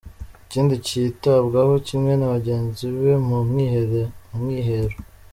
Ikindi yitabwagaho kimwe na bagenzi be mu mwihero.